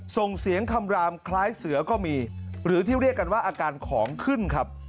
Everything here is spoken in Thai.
ส่งเสียงคำรามคล้ายเสือก็มีหรือที่เรียกกันว่าอาการของขึ้นครับ